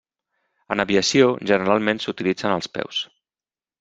En aviació, generalment s'utilitzen els peus.